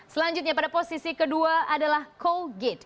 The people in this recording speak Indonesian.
selanjutnya pada posisi kedua adalah colgate